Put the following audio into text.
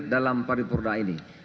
dalam paripurna ini